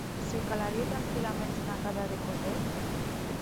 Se calarie tranquillaments ena casa de Cosette?